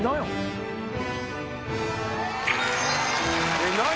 えっ何や？